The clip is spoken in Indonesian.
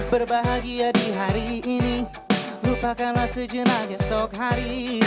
berbahagia di hari ini lupakanlah sejenak esok hari